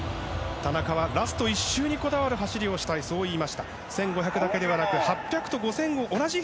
田中はラスト１周にこだわる走りをしたいと言ってました。